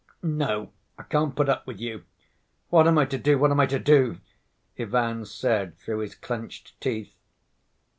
No, I can't put up with you! What am I to do, what am I to do?" Ivan said through his clenched teeth.